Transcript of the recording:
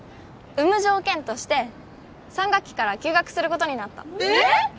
産む条件として３学期から休学することになったええっ！？